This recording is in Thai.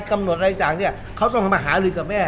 แล้วแม่เป็นคนตัดสินใจแต่การที่น้องศาลามีมีครอบครัวใหม่ไหม